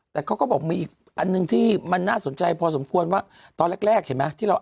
แต่เขาก็บอกมีอีกอันหนึ่งที่มันน่าสนใจพอสมควรว่าตอนแรกเห็นไหม